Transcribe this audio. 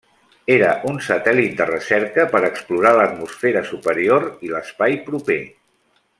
Era un satèl·lit de recerca per explorar l'atmosfera superior i l'espai proper.